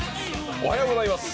おはようございます。